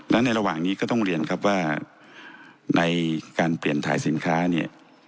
และในระหว่างนี้ก็ต้องเรียนครับว่าในการเปลี่ยนถ่ายสินค้าเนี่ย